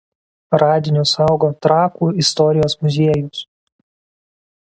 Radinius saugo Trakų istorijos muziejus.